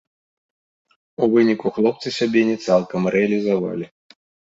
У выніку хлопцы сябе не цалкам рэалізавалі.